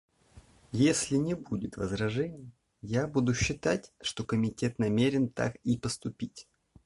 Если не будет возражений, я буду считать, что Комитет намерен так и поступить.